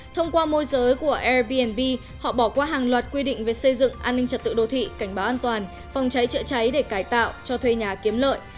thông qua môi giới của airbnb họ bỏ qua hàng loạt quy định về xây dựng an ninh trật tự đô thị cảnh báo an toàn phòng cháy chữa cháy để cải tạo cho thuê nhà kiếm lợi